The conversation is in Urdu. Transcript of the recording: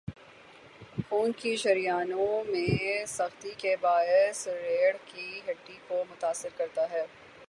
خون کی شریانوں میں سختی کے باعث ریڑھ کی ہڈی کو متاثر کرتا ہے